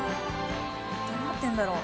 どうなってるんだろう？